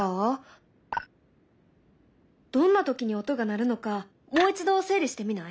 どんな時に音が鳴るのかもう一度整理してみない？